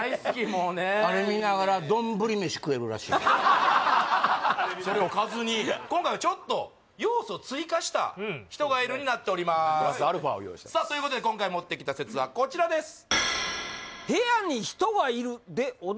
もうねあれ見ながら・それおかずに今回はちょっと要素追加した「人がいる」になっておりますさあということで今回持ってきた説はこちらです